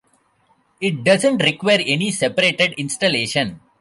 It doesn't require any separated installation.